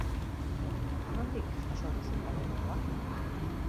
Nondik jaso duzu talentua?